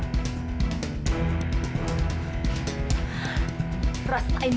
mampus saja sekalian